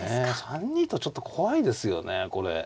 ３二とちょっと怖いですよねこれ。